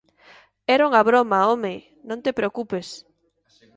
Era unha broma, ¡home!, non te preocupes.